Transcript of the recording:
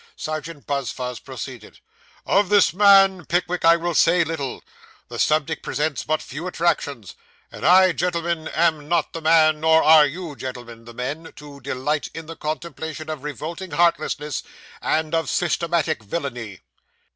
Serjeant Buzfuz proceeded 'Of this man Pickwick I will say little; the subject presents but few attractions; and I, gentlemen, am not the man, nor are you, gentlemen, the men, to delight in the contemplation of revolting heartlessness, and of systematic villainy.